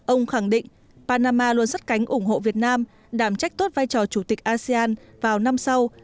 ông khẳng định panama luôn sắt cánh ủng hộ việt nam đảm trách tốt vai trò chủ tịch asean vào năm sau